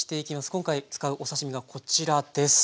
今回使うお刺身がこちらです。